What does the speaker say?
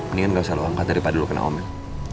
ini kan gak selalu angkat daripada lu kena omel